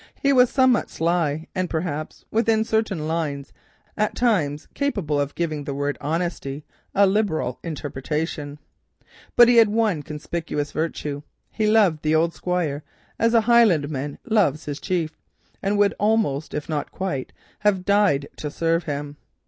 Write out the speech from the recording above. He was somewhat sly, and, perhaps within certain lines, at times capable of giving the word honesty a liberal interpretation. But amongst many others he had one conspicuous virtue: he loved the old Squire as a Highlandman loves his chief, and would almost, if not quite, have died to serve him.